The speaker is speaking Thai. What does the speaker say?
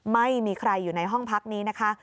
ไม่มีใครอยู่ในห้องพักนี้นะคะ